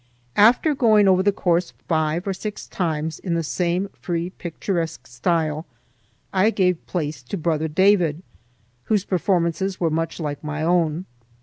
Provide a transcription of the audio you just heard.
After going over the course five or six times in the same free, picturesque style, I gave place to brother David, whose performances were much like my own.